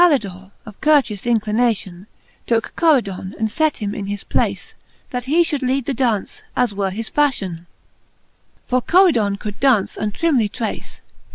But Calidore^ of courteous inclination, Tooke Coridony and fet him in his place, That he fliould leade the daunce, as was his fafhion ; For Coridon could daunce, and trimly trace.